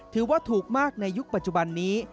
ถือว่าถูกมากในยุคปัจจุบันนี้